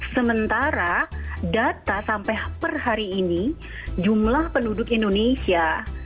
sementara data sampai per hari ini jumlah penduduk indonesia